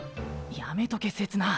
やめとけせつな。